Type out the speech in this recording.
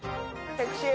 セクシー！